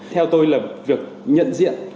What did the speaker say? theo tôi là việc nhận diện